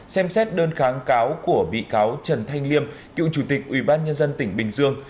xem xét đơn kháng cáo của bị cáo trần thanh liêm cựu chủ tịch ubnd tỉnh bình dương